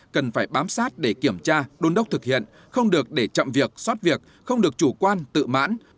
cần phải bám sát để kiểm tra đôn đốc thực hiện không được để chậm việc xót việc không được chủ quan tự mãn